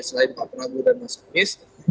selain pak prabowo dan mas anies